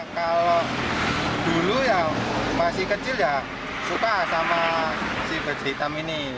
kalau dulu ya masih kecil ya suka sama si baju hitam ini